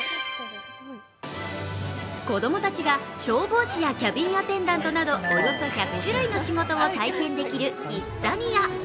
子供たちが消防士やキャビンアテンダントなどおよそ１００種類の仕事を体験できるキッザニア。